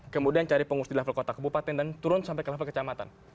kemudian cari pengurus di level kota kebupaten dan turun sampai ke level kecamatan